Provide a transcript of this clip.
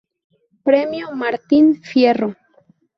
Premio Martín Fierro